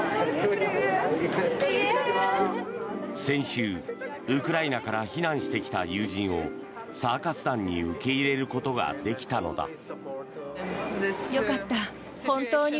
先週、ウクライナから避難してきた友人をサーカス団に受け入れることができたのだ。